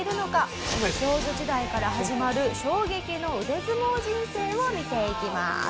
少女時代から始まる衝撃の腕相撲人生を見ていきます。